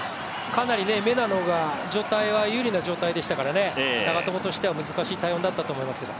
かなりメナの方が有利な状態でしたが長友としては難しい対応だったと思いますけど。